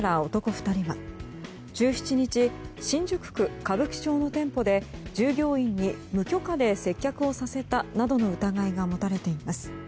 ２人は１７日、新宿区歌舞伎町の店舗で従業員に無許可で接客をさせたなどの疑いが持たれています。